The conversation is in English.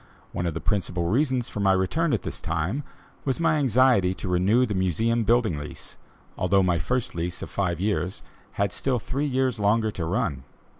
One of the principal reasons for my return at this time, was my anxiety to renew the Museum building lease, although my first lease of five years had still three years longer to run.